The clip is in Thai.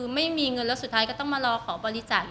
ไม่มีเงินแล้วสุดท้ายก็ต้องมารอขอบริจาค